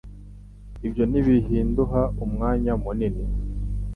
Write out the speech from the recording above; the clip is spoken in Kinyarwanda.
Ibyo ntibiduha umwanya munini